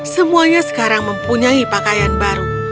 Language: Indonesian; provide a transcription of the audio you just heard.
semuanya sekarang mempunyai pakaian baru